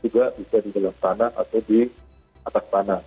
juga bisa di dalam tanah atau di atas tanah